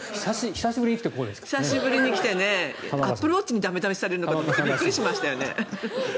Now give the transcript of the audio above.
久しぶりに来てアップルウォッチに駄目出しされるのかとびっくりしましたよね。